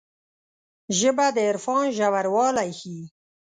ژبه د عرفان ژوروالی ښيي